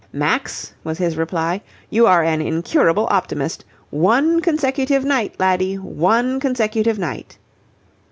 'Max,' was his reply, 'you are an incurable optimist. One consecutive night, laddie, one consecutive night.'